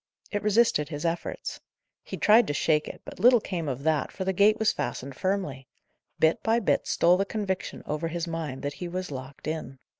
It resisted his efforts. He tried to shake it, but little came of that, for the gate was fastened firmly. Bit by bit stole the conviction over his mind that he was locked in.